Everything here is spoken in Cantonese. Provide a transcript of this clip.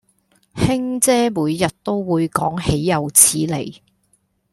卿姐每日都會講豈有此理